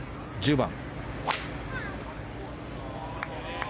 １０番。